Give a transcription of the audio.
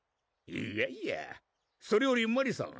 いやいやそれよりマリさん